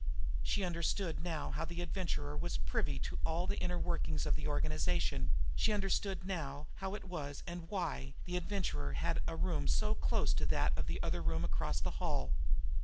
She understood now how the Adventurer was privy to all the inner workings of the organization; she understood now how it was, and why, the Adventurer had a room so close to that other room across the hall.